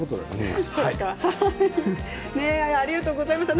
ありがとうございます。